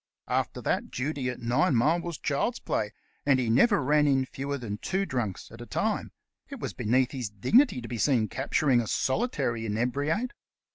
After that, duty at Ninemile was child's play, and he never ran in fewer than two drunks at a time ; it was beneath his dignity to be seen capturing a solitary inebriate.